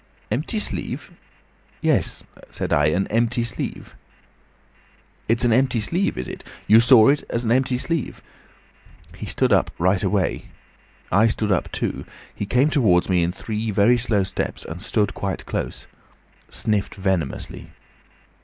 'Empty sleeve?' 'Yes,' said I, 'an empty sleeve.' "'It's an empty sleeve, is it? You saw it was an empty sleeve?' He stood up right away. I stood up too. He came towards me in three very slow steps, and stood quite close. Sniffed venomously.